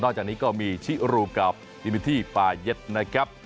จากนี้ก็มีชิรูกับดิมิที่ฟาเย็ดนะครับ